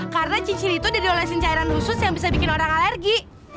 karena cincin itu udah diolesin cairan khusus yang bisa bikin orang alergi